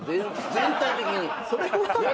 全体的に。